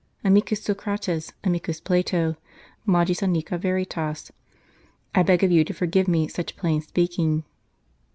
Amicus Socrates, amicus Plato, magis arnica veritas. I beg of you to forgive me such plain speaking."